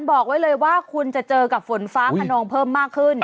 บอกไว้เลยว่าคุณจะเจอกับฝนฟ้าขนองเพิ่มมากขึ้น